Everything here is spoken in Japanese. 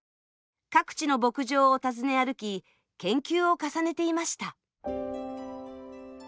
各地の牧場を訪ね歩き研究を重ねていました。